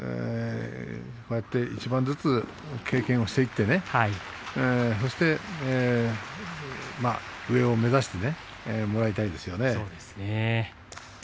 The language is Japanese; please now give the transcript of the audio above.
こうやって１番ずつ経験していって、そして上を目指してもらいたいですよね。